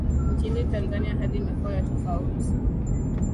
nchini Tanzania hali imekuwa ya tofauti